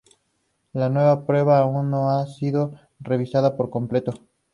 La nueva prueba aún no ha sido revisada por completo.